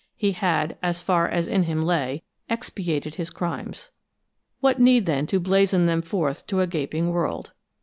He had, as far as in him lay, expiated his crimes. What need, then, to blazon them forth to a gaping world?